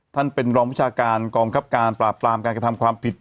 ท่านเป็นรองวิชาการกองคับการปราบปรามการกระทำความผิด